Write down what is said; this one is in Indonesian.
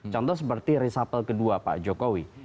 contoh seperti reshuffle kedua pak jokowi